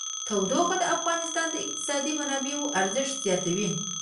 تودوخه د افغانستان د اقتصادي منابعو ارزښت زیاتوي.